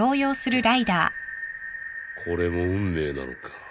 これも運命なのか。